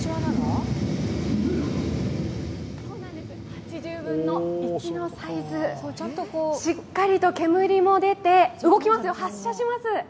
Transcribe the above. ８０分の１のサイズ、しっかり煙も出て、動きますよ、発射します。